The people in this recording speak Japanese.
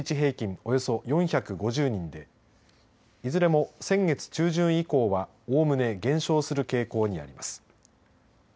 およそ４５０人でいずれも、先月中旬以降はおおむね減少する傾向にあります。